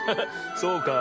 そうかい？